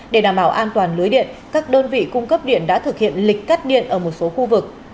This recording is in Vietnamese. để đảm bảo an toàn lưới điện các đơn vị cung cấp điện đã thực hiện lịch cắt điện ở một số khu vực